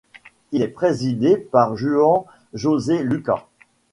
Il est présidé par Juan José Lucas.